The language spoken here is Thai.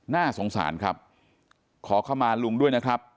น่าสงสารครับขอขมาลุงด้วยนะครับ